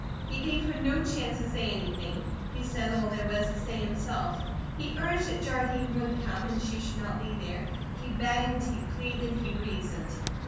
He gave her no chance to say anything; he said all there was to say himself; he urged that Jardine would come, and she should not be there. He begged, he pleaded, he reasoned.